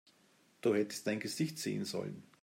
Du hättest dein Gesicht sehen sollen!